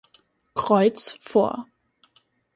Kreuz vor.